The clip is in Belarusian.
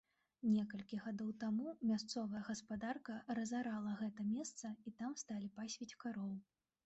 Некалькі гадоў таму мясцовая гаспадарка разарала гэта месца і там сталі пасвіць кароў.